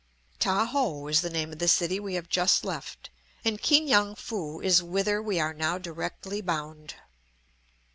Ta ho is the name of the city we have just left, and Ki ngan foo is whither we are now directly bound.